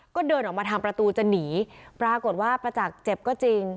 ก็เดินออกมาทางประตูจะหนีปรากฏว่าประจักษ์เจ็บก็จริง